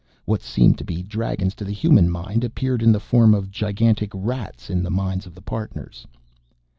What seemed to be Dragons to the human mind appeared in the form of gigantic Rats in the minds of the Partners.